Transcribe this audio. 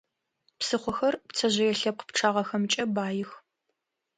Псыхъохэр пцэжъые лъэпкъ пчъагъэхэмкӀэ баих.